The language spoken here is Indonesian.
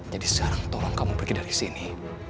jadi sekarang tolong kamu pergi dari sini